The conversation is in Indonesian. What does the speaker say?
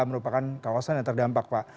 merupakan kawasan yang terdampak pak